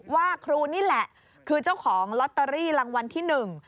ว่าครูนี่แหละคือเจ้าของลอตเตอรี่รางวัลที่หนึ่ง